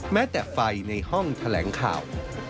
แม้แต่ไฟในห้องแถลงข่าว